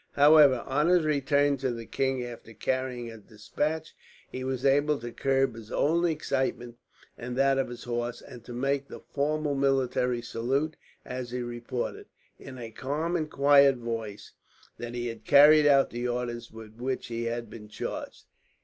However, on his return to the king after carrying a despatch, he was able to curb his own excitement and that of his horse, and to make the formal military salute as he reported, in a calm and quiet voice, that he had carried out the orders with which he had been charged.